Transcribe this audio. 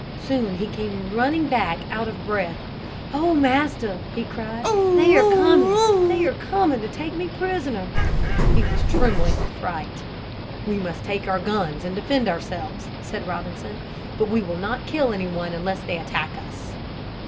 Soon he came running back out of breath. "O Master," he cried, "they are coming, they are coming to take me prisoner!" He was trembling with fright. "We must take our guns and defend ourselves," said Robinson. "But we will not kill anyone unless they attack us."